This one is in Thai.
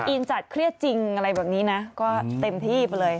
อินจัดเครียดจริงอะไรแบบนี้นะก็เต็มที่ไปเลย